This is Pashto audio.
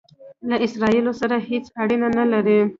له اسراییلو سره هیڅ اړه نه لري.